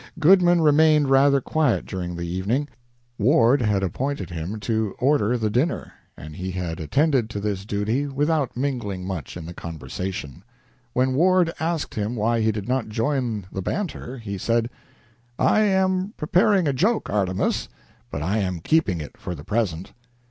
Goodman remained rather quiet during the evening. Ward had appointed him to order the dinner, and he had attended to this duty without mingling much in the conversation. When Ward asked him why he did not join the banter, he said: "I am preparing a joke, Artemus, but I am keeping it for the present."